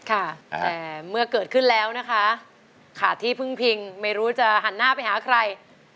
แต่เมื่อเกิดขึ้นแล้วนะคะขาดที่พึ่งพิงไม่รู้จะหันหน้าไปหาใคร